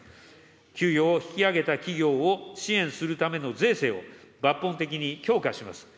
給与を引き上げた企業を支援するための税制を、抜本的に強化します。